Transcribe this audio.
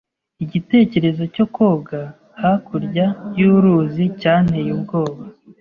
Igitekerezo cyo koga hakurya y'uruzi cyanteye ubwoba.